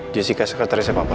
jessica sekretarisnya papa